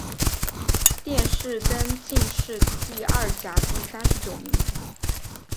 殿试登进士第二甲第三十九名。